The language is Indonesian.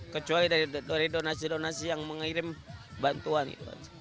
kecuali dari donasi donasi yang mengirim bantuan gitu